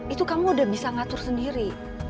itu kamu udah bisa ngatur sendiri